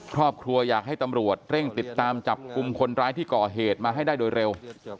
ครอบครัวอยากให้ตำรวจเร่งติดตามจับกลุ่มคนร้ายที่ก่อเหตุมาให้ได้โดยเร็ว